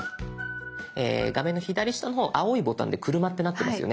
画面の左下の方青いボタンで「車」ってなってますよね。